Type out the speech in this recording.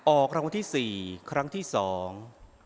ออกรางวัลที่สี่ครั้งที่สอง